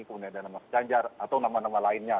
kemudian ada nama mas ganjar atau nama nama lainnya